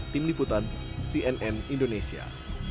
tim liputan cnn indonesia